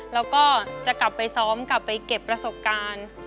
แล้วก็จะกลับไปซ้อมกลับไปเก็บประสบการณ์